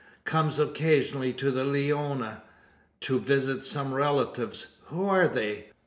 Comes occasionally to the Leona, to visit some relatives. Who are they?